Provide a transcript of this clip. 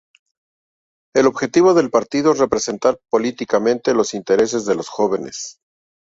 El objetivo del partido es representar políticamente los intereses de los jóvenes.